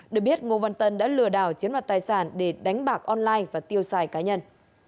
được biết ngô văn tân đã lừa đảo chiếm đoạt tài sản để đánh bạc online và tiêu xài cá nhân